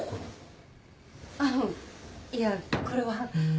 あのいやこれは。